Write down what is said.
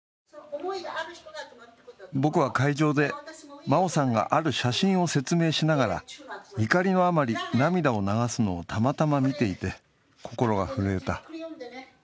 僕は会場で真生さんがある写真を説明しながら怒りのあまり、涙を流すのをたまたま見ていて、心が震えた。